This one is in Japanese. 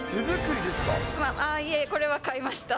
いえ、これは買いました。